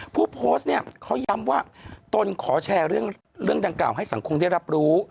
ผู้โพสต์เนี่ยเขาย้ำว่าตนขอแชร์เรื่องดังกล่าวให้สังคมได้รับรู้